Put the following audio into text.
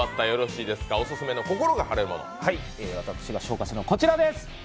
私が紹介するのはこちらです。